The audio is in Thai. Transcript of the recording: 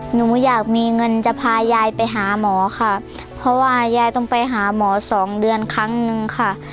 หนูอยากมีเงินจะพายายไปหาหมอค่ะเพราะว่ายายต้องไปหาหมอสองเดือนครั้งนึงค่ะ